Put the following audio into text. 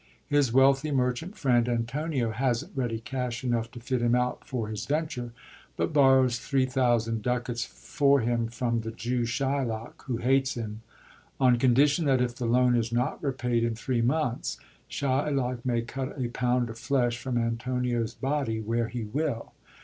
His wealthy merchant friend Antonio hasn't ready cash enough to fit him out for his ven ture, but borrows 3,000 ducats for him from the Jew Shylock (who hates him), on condition that, if the loan is not repaid in three months, Shylock may cut a pound of fiesh from Antonio's body, where he will.